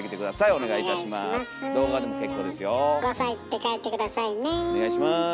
お願いします。